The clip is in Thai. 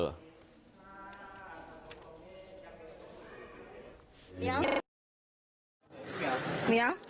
เหนียว